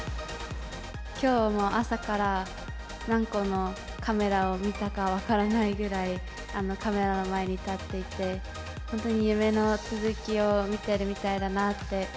きょうも朝から、何個のカメラを見たか分からないぐらい、カメラの前に立っていて、本当に夢の続きを見ているみたいだなって。